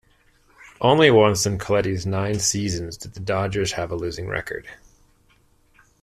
Only once in Colletti's nine seasons did the Dodgers have a losing record.